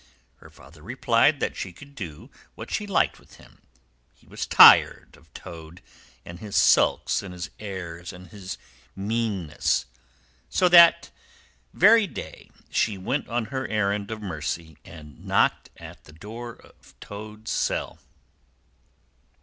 Her father replied that she could do what she liked with him. He was tired of Toad, and his sulks and his airs and his meanness. So that day she went on her errand of mercy, and knocked at the door of Toad's cell.